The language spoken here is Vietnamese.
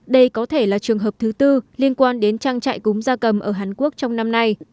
đây có thể là trường hợp thứ tư liên quan đến trang trại cúng gia cầm ở hàn quốc trong năm nay